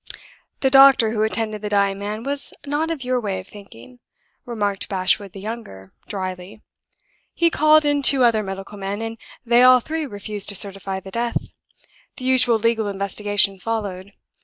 "The doctor who attended the dying man was not of your way of thinking," remarked Bashwood the younger, dryly. "He called in two other medical men, and they all three refused to certify the death. The usual legal investigation followed.